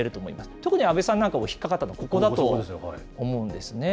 特に阿部さんなんかが引っ掛かったのは、ここだと思うんですね。